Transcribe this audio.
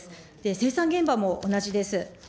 生産現場も同じです。